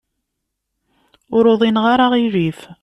Ur uḍineɣ ara aɣilif.